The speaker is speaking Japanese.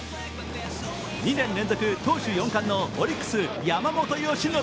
２年連続、投手４冠のオリックス山本由伸。